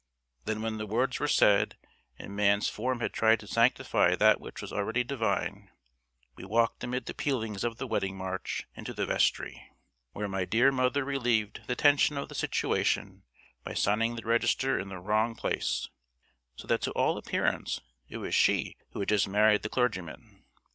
Then when the words were said, and man's form had tried to sanctify that which was already divine, we walked amid the pealings of the "Wedding March" into the vestry, where my dear mother relieved the tension of the situation by signing the register in the wrong place, so that to all appearance it was she who had just married the clergyman.